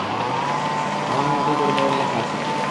আমার হাতেই তোর মরণ লেখা আছে।